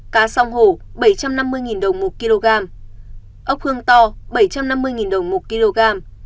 cá sông hổ bảy trăm năm mươi đồng một kg ốc hương to bảy trăm năm mươi đồng một kg